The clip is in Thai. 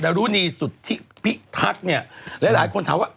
แล้วรู้นีสุดที่พี่ทักหลายคนถามว่า